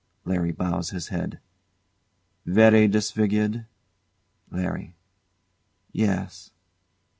[LARRY bows his head.] Very disfigured? LARRY. Yes.